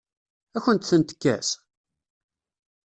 Ad akent-ten-tekkes?